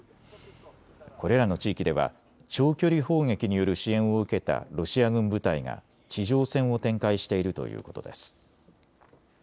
これらの地域では長距離砲撃による支援を受けたロシア軍部隊が地上戦を展開しているということです。